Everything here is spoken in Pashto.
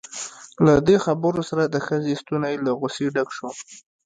له دې خبرو سره د ښځې ستونی له غصې ډک شو.